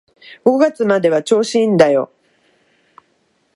五月までは調子いいんだよ